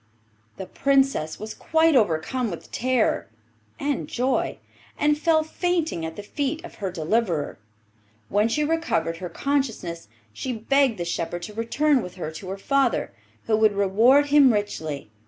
The Princess was quite overcome with terror and joy, and fell fainting at the feet of her deliverer. When she recovered her consciousness she begged the shepherd to return with her to her father, who would reward him richly.